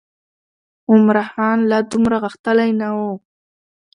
عمرا خان لا دومره غښتلی نه و.